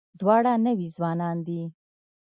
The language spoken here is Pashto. دواړه نوي ځوانان دي.